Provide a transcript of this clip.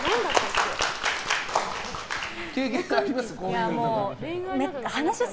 経験あります？